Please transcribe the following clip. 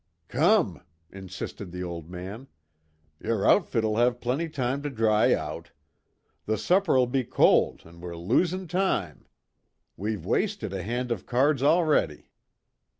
"Come," insisted the old man, "ye're outfit'll have plenty time to dry out. The supper'll be cold, an' we're losin' time. We've wasted a hand of cards already."